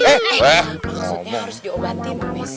harus diobatin ibu mesi